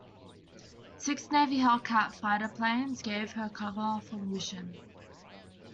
Six Navy Hellcat fighter planes gave her cover for the mission.